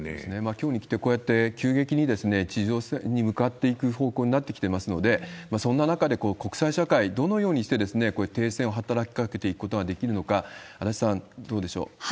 きょうにきて、急激に地上戦に向かっていく方向になってきてますので、そんな中で国際社会、どのようにして停戦を働きかけていくことができるのか、足立さん、どうでしょう？